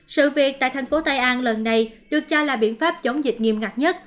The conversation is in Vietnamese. sự việc tại thành phố tây an lần này được cho là biện pháp chống dịch nghiêm ngặt nhất